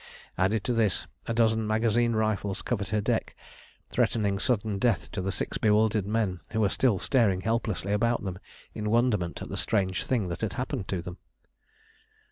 Added to this, a dozen magazine rifles covered her deck, threatening sudden death to the six bewildered men who were still staring helplessly about them in wonderment at the strange thing that had happened to them.